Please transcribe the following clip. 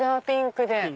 ピンクで。